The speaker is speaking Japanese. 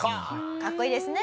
かっこいいですね。